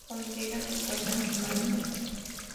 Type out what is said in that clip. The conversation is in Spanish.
Cuando llegan, encuentran a su madre muerta.